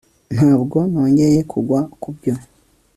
ntabwo nongeye kugwa kubyo